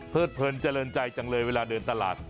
เพลินเจริญใจจังเลยเวลาเดินตลาด